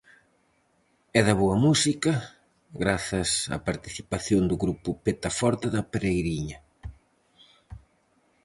E da boa música, grazas á participación do grupo Peta Forte da Pereiriña.